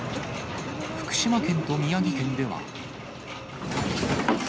福島県と宮城県では。